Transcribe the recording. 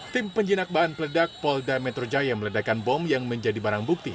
tim penjinak bahan peledak polda metro jaya meledakan bom yang menjadi barang bukti